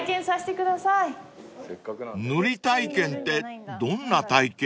［塗り体験ってどんな体験？］